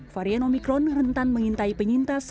varian omikron rentan mengintai penyintas